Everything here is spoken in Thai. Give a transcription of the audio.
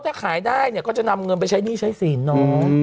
ถ้าขายได้เนี่ยก็จะนำเงินไปใช้หนี้ใช้ศีลน้อง